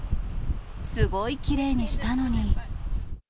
すごいきれいにしたのに。